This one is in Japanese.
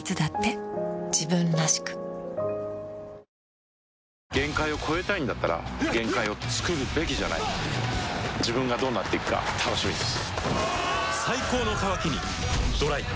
ウソ限界を越えたいんだったら限界をつくるべきじゃない自分がどうなっていくか楽しみです